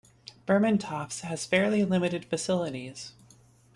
Burmantofts has fairly limited facilities.